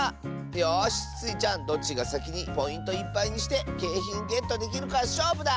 よしスイちゃんどっちがさきにポイントいっぱいにしてけいひんゲットできるかしょうぶだ！